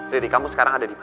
diri kamu sekarang ada di